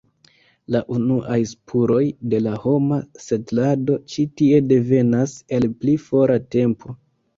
La unuaj spuroj de la homa setlado ĉi tie devenas el pli fora tempo.